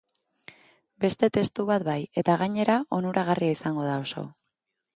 Beste textu bat bai, eta gainera, onuragarria izango da oso.